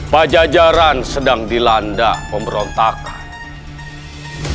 pajajaran sedang dilanda pemberontakan